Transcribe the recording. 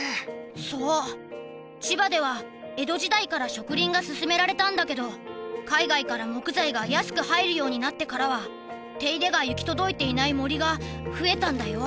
そう千葉では江戸時代から植林が進められたんだけど海外から木材が安く入るようになってからは手入れが行き届いていない森が増えたんだよ。